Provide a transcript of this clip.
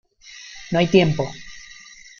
¡ no hay tiempo!